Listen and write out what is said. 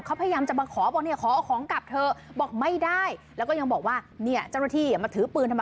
เขาพยายามจะมาขอบอกเนี่ยขอเอาของกลับเถอะบอกไม่ได้แล้วก็ยังบอกว่าเนี่ยเจ้าหน้าที่มาถือปืนทำไม